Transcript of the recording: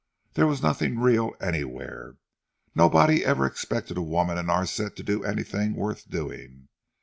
There was nothing real anywhere. Nobody ever expected a woman in our set to do anything worth doing."